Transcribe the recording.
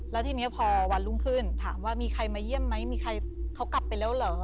แล้วทีนี้พอวันรุ่งขึ้นถามว่ามีใครมาเยี่ยมไหมมีใครเขากลับไปแล้วเหรอ